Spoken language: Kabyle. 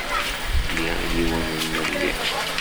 Liɣ yiwen n memmi.